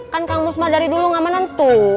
kan kang usman dari dulu nggak menentu